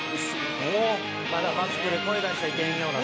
「まだマスクで声出しちゃいけんような」